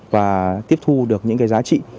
và tiếp thu được những cái giá trị